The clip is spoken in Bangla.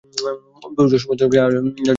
পূর্বোক্ত সমস্ত জায়গায়ই আর জাহাজ যেতে পারে না।